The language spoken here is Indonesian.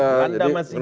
belanda masih jauh